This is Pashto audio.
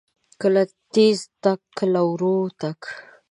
کله تیز تګ، کله ورو تګ.